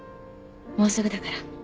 もうすぐだから。